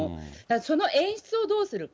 その演出をどうするか。